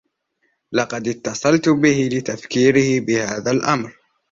لقد اتّصلت به لتفكيره بهذا الأمر.